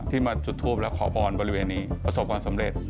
มาจุดทูปและขอพรบริเวณนี้ประสบความสำเร็จ